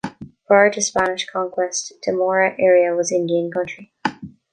Prior to Spanish conquest, the Mora area was Indian country.